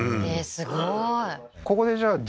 すごーい